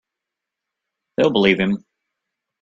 They'll believe him.